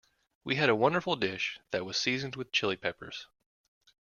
We had a wonderful dish that was seasoned with Chili Peppers.